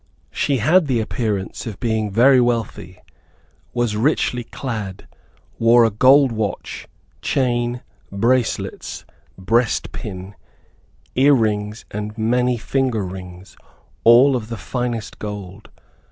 She had the appearance of being very wealthy, was richly clad, wore a gold watch, chain, bracelets, breastpin, ear rings, and many finger rings, all of the finest gold.